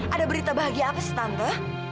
ada berita bahagia apa sih tante